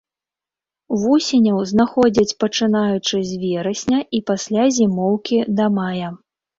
Вусеняў знаходзяць, пачынаючы з верасня, і пасля зімоўкі да мая.